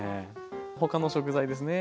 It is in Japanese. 他の食材ですね。